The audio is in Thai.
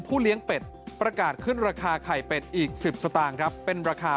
เลี้ยงเป็ดประกาศขึ้นราคาไข่เป็ดอีก๑๐สตางค์ครับเป็นราคา